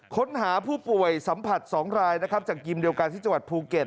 ค้นหาผู้ป่วยสัมผัส๒รายนะครับจากกิมเดียวกันที่จังหวัดภูเก็ต